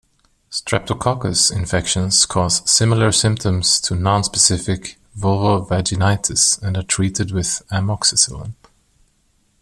"Streptococcus" infections cause similar symptoms to nonspecific vulvovaginitis and are treated with amoxicillin.